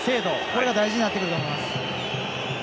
これが大事になってくると思います。